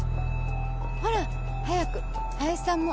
ほら早く林さんも。